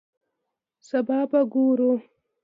سبا به ګورو